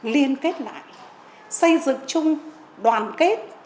liên kết lại xây dựng chung đoàn kết